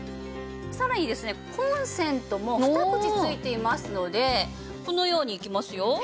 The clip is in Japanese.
さらにですねコンセントも２口付いていますのでこのようにいきますよ。